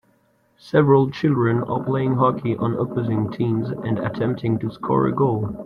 Several children are playing hockey on opposing teams and attempting to score a goal.